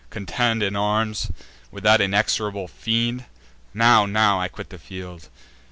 contend In arms with that inexorable fiend? Now, now, I quit the field!